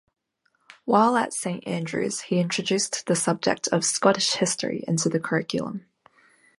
While at Saint Andrews he introduced the subject of Scottish history into the curriculum.